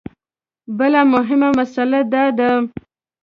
بله مهمه مسله دا ده.